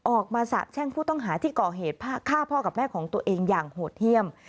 สาบแช่งผู้ต้องหาที่ก่อเหตุฆ่าพ่อกับแม่ของตัวเองอย่างโหดเยี่ยม